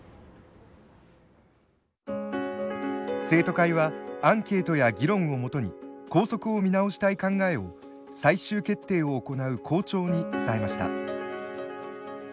生徒会はアンケートや議論をもとに校則を見直したい考えを最終決定を行う校長に伝えました。